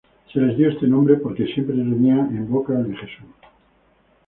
Se les dio este nombre porque siempre tenían en boca el de Jesús.